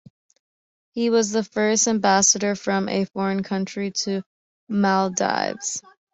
He was the first ambassador from a foreign country to Maldives.